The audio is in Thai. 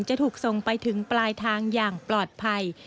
จะถูกส่งไปถึงปลายทางอย่างปลอดภัย